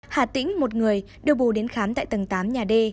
hà tỉnh một người đều bù đến khám tại tầng tám nhà d